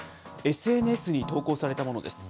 ＳＮＳに投稿されたものです。